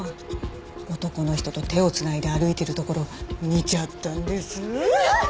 男の人と手を繋いで歩いてるところ見ちゃったんです。